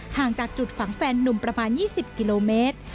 ห่างจากจุดฝังแฟนนุ่มประมาณ๒๐กิโลเมตร